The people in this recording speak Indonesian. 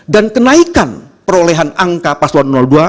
dan kenaikan perolehan angka paslon dua